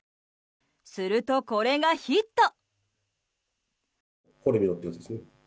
すると、これがヒット！